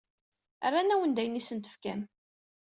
Rran-awen-d ayen i asen-tefkam.